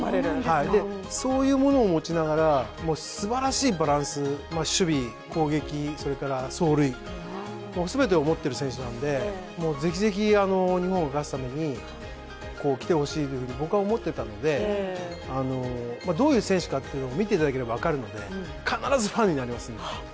そういうものを持ちながらすばらしいバランス、守備、攻撃、走塁、全てを持ってる選手なので、是非是非日本が勝つために来てほしいと僕は思っていたのでどういう選手かというのは見ていただければ分かるので必ずファンになりますので。